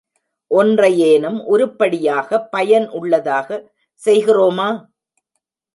ஒன்றையேனும் உருப்படியாக, பயன் உள்ளதாக, செய்கிறோமா?